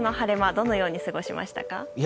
どのように過ごしましたか？